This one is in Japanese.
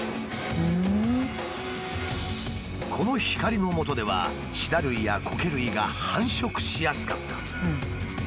この光のもとではシダ類やコケ類が繁殖しやすかった。